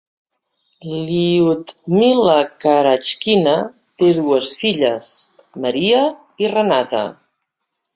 Lyudmila Karachkina té dues filles, Maria i Renata.